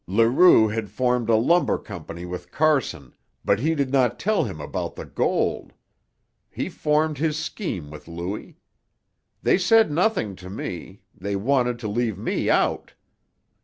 "Leroux had formed a lumber company with Carson, but he did not tell him about the gold. He formed his scheme with Louis. They said nothing to me; they wanted to leave me out.